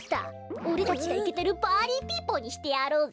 おれたちがイケてるパーリーピーポーにしてやろうぜ。